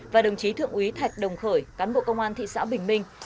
và đồng chí thượng úy thạch đồng khởi cán bộ công an thị xã bình minh